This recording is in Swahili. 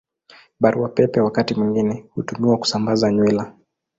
Barua Pepe wakati mwingine hutumiwa kusambaza nywila.